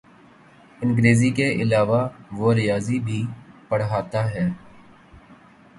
انگریزی کے علاوہ وہ ریاضی بھی پڑھاتا ہے۔